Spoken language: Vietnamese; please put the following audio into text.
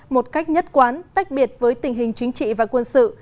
một cách nhất quán tách biệt với tình hình chính trị và quân sự